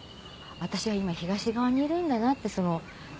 私は今東側にいるんだなって。